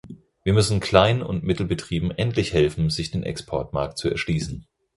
Wir müssen Klein- und Mittelbetrieben endlich helfen, sich den Exportmarkt zu erschließen.